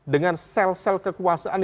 dengan sel sel kekuasaan